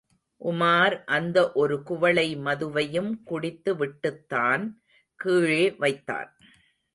உமார் அந்த ஒரு குவளை மதுவையும் குடித்து விட்டுத்தான் கீழே வைத்தான்.